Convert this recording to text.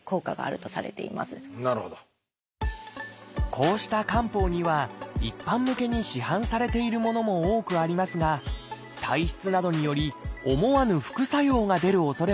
こうした漢方には一般向けに市販されているものも多くありますが体質などにより思わぬ副作用が出るおそれもあります。